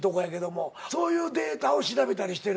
そういうデータを調べたりしてるんだ。